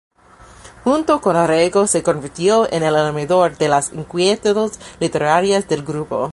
Junto con Orrego se convirtió en el animador de las inquietudes literarias del grupo.